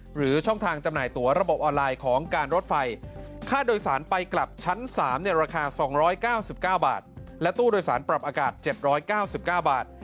ช่องทางจำหน่ายตัวระบบออนไลน์ของการรถไฟค่าโดยสารไปกลับชั้น๓ราคา๒๙๙บาทและตู้โดยสารปรับอากาศ๗๙๙บาท